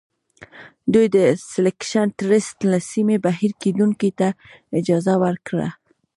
دوی د سیلکشن ټرست له سیمې بهر کیندونکو ته اجازه ورکړه.